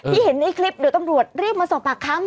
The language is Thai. เห็นในคลิปเดี๋ยวตำรวจรีบมาสอบปากคำ